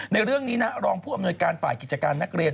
ในเรื่องนี้นะรองผู้อำนวยการฝ่ายกิจการนักเรียน